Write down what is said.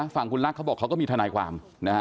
ฝั่งคุณรักเขาบอกเขาก็มีทนายความ